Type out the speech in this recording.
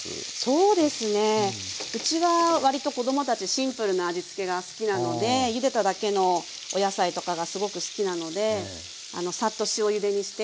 そうですねうちは割と子供たちシンプルな味付けが好きなのでゆでただけのお野菜とかがすごく好きなのでサッと塩ゆでにして。